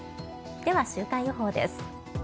では週間予報です。